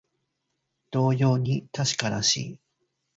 同様に確からしい